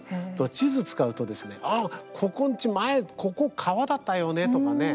地図使うとああ、ここんち前、ここ川だったよねとかね